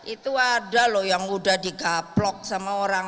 itu ada loh yang sudah digaplok sama orang